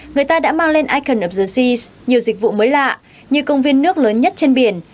người ta đã mang lên icon of the seas nhiều dịch vụ mới lạ như công viên nước lớn nhất trên biển